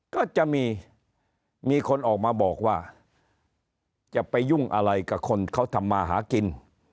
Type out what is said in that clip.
ก็จะมีมีคนออกมาบอกว่าจะไปยุ่งอะไรกับคนเขาทำมาหากิน